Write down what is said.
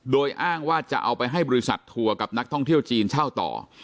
โดยอ้างว่าจะเอาไปให้บริษัททัวร์กับนักท่องเที่ยวจีนเช่าต่อ